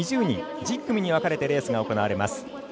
２０人、１０組に分かれてレースが行われます。